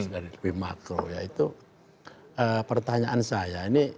dari yang lebih makro yaitu pertanyaan saya